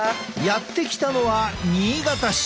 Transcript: やって来たのは新潟市。